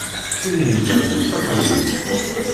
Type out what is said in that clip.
Tinhinan d tatergit.